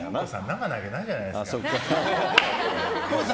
生なわけないじゃないですか。